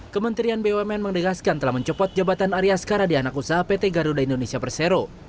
kementerian bumn mendegaskan telah mencopot jabatan arya skara di anak usaha pt garuda indonesia persero